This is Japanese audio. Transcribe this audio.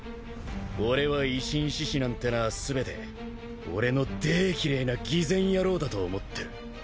俺は維新志士なんてのは全て俺の大嫌えな偽善野郎だと思ってる。